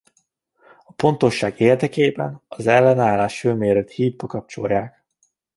A pontosság érdekében az ellenállás-hőmérőt hídba kapcsolják.